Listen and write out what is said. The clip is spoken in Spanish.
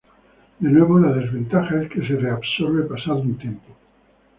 De nuevo, la desventaja es que se reabsorbe pasado un tiempo.